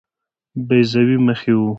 بیضوي مخ یې وو.